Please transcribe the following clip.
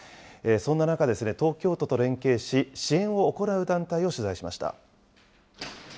そんな中、東京都と連携し、支援を行う団体を取材しました。